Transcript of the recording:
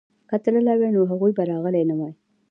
که تللي وای نو هغوی به راغلي نه وای.